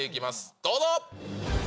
どうぞ。